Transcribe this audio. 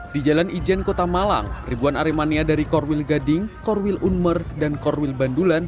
di jalan ijen kota malang ribuan aremania dari korwil gading korwil unmer dan korwil bandulan